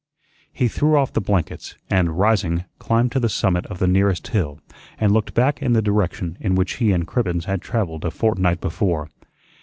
He threw off the blankets, and, rising, climbed to the summit of the nearest hill and looked back in the direction in which he and Cribbens had travelled a fortnight before.